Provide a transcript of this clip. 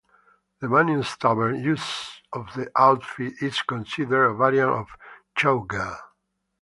The Bunny's Tavern usage of the outfit is considered a variant of Showgirl.